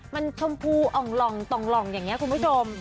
มันชมพูอ่องหล่องต่องหล่องอย่างนี้คุณผู้ชม